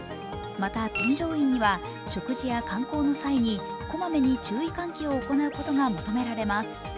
また、添乗員には食事や観光の際にこまめに注意喚起を行うことなどが求められます。